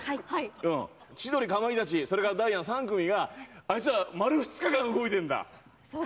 千鳥、かまいたちそれからダイアン、３組があいつら丸２日間動いてるんだ。